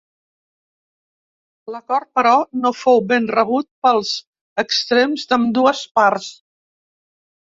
L'acord, però, no fou ben rebut pels extrems d'ambdues parts.